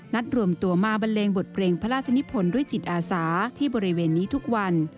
รวมตัวมาบันเลงบทเพลงพระราชนิพลด้วยจิตอาสาที่บริเวณนี้ทุกวัน